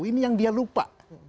ini yang dia lupa